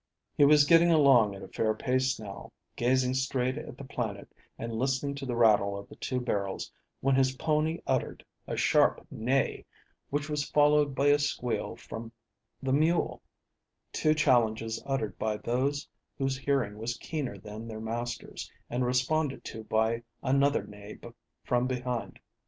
He was getting along at a fair pace now, gazing straight at the planet and listening to the rattle of the two barrels, when his pony uttered a sharp neigh, which was followed by a squeal from the mule two challenges uttered by those whose hearing was keener than their master's, and responded to by another neigh from behind.